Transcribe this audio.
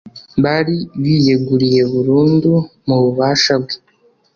Bari biyeguriye burundu mu bubasha bwe,